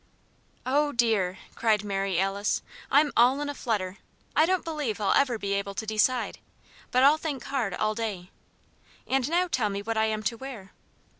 "Oh, dear!" cried Mary Alice, "I'm all in a flutter. I don't believe I'll ever be able to decide, but I'll think hard all day. And now tell me what I am to wear."